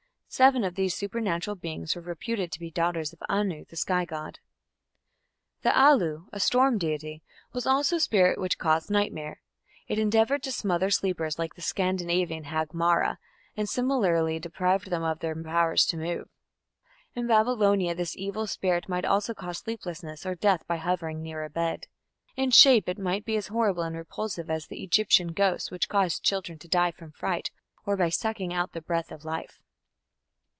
Seven of these supernatural beings were reputed to be daughters of Anu, the sky god. The Alu, a storm deity, was also a spirit which caused nightmare. It endeavoured to smother sleepers like the Scandinavian hag Mara, and similarly deprived them of power to move. In Babylonia this evil spirit might also cause sleeplessness or death by hovering near a bed. In shape it might be as horrible and repulsive as the Egyptian ghosts which caused children to die from fright or by sucking out the breath of life.